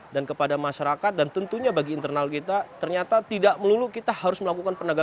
dan kepada masyarakat dan tentunya bagi internal kita ternyata tidak melulu kita harus melakukan perhubungan